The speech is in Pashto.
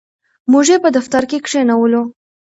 موږ یې په دفتر کې کښېنولو.